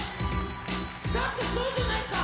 「だってそうじゃないか」